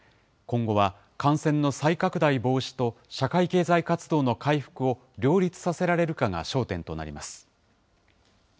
今後は感染の再拡大防止と、社会経済活動の回復を両立させられるかが焦点となります。